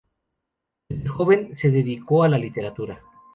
Desde joven se dedicó a la literatura.